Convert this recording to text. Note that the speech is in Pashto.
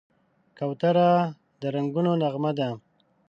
کوتره د رنګونو نغمه ده.